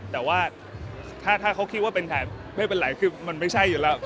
แต่ว่าถ้าเขาคิดว่าเป็นแผนไม่เป็นไรคือมันไม่ใช่อยู่แล้ว